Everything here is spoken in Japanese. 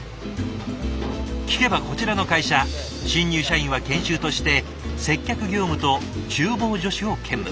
聞けばこちらの会社新入社員は研修として接客業務とちゅう房助手を兼務。